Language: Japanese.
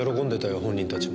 本人たちも。